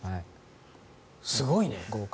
すごいね。